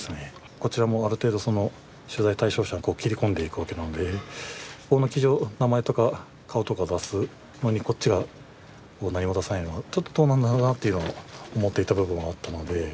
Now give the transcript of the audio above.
こちらもある程度取材対象者にこう切り込んでいくわけなので向こうの名前とか顔とか出すのにこっちが何も出さないのはちょっとどうなんだろうなっていうのを思っていた部分もあったので。